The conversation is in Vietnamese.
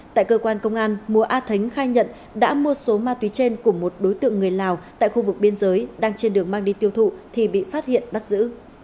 tại cơ quan công an mùa a thếng khai nhận đã mua số ma túy trên của một đối tượng người lào tại khu vực biên giới đang trên đường mang đi tiêu thụ thì bị phát hiện bắt giữ